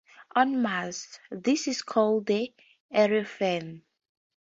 On Mars, this is called the Areophany.